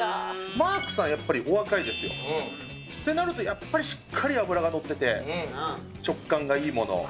マークさん、やっぱりお若いですよ。ってなるとやっぱり、しっかり脂がのってて、食感がいいもの。